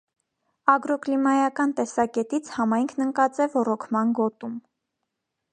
Ագրոկլիմայական տեսակետից համայնքն ընկած է ոռոգման գոտում։